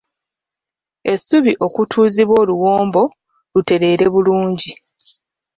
Essubi okutuuzibwa oluwombo lutereere bulungi.